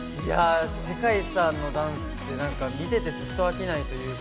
世界さんのダンスって見ていてずっと飽きないというか。